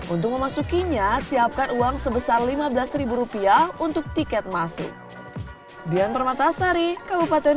untuk memasukinya siapkan uang sebesar lima belas rupiah untuk tiket masuk